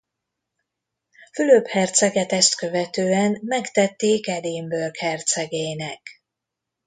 Fülöp herceget ezt követően megtették Edinburgh hercegének.